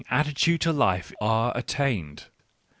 attitude to life are attained.